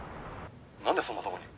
なんでそんなとこに？」